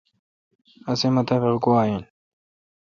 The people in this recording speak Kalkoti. اسی مطابق گوا این۔